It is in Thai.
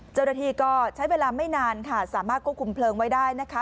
เจ้าหน้าที่ก็ใช้เวลาไม่นานค่ะสามารถควบคุมเพลิงไว้ได้นะคะ